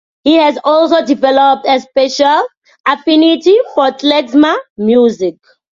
He has also developed a special affinity for klezmer music.